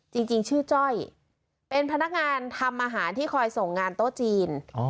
จริงชื่อจ้อยเป็นพนักงานทำอาหารที่คอยส่งงานโต๊ะจีน